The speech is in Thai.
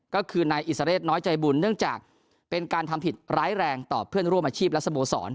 ก็คือนายอิสระเศษน้อยใจบุญเนื่องจากเป็นการทำผิดร้ายแรงต่อเพื่อนร่วมอาชีพและสโมสร